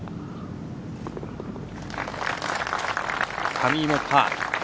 上井もパー。